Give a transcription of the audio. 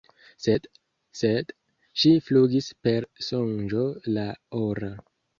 Sed, sed „ŝi flugis per sonĝo la ora!“